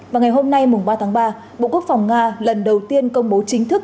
và ngày hôm nay ba tháng ba bộ quốc phòng nga lần đầu tiên công bố chính thức